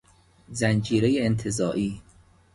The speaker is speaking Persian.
زنجیره انتزاعی